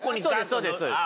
そうですそうです。